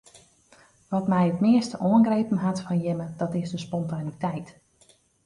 Wat my it meast oangrepen hat fan jimme dat is de spontaniteit.